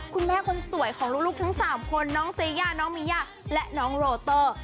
คุณแม่คนสวยของลูกทั้ง๓คนน้องเซย่าน้องมีย่าและน้องโรเตอร์